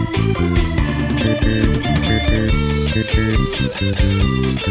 คุณพ่อนิสตาล